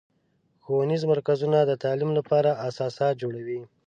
ښوونیز مرکزونه د تعلیم لپاره اساسات جوړوي.